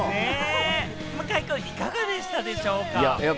向井くん、いかがだったでしょうか？